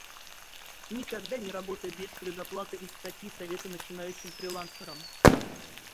«Никогда не работай без предоплаты» — из статьи "Советы начинающим фрилансерам".